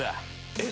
えっ？